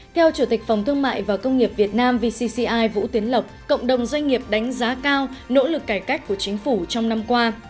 theo chủ tịch phòng thương mại và công nghiệp việt nam vcci vũ tiến lộc cộng đồng doanh nghiệp đánh giá cao nỗ lực cải cách của chính phủ trong năm qua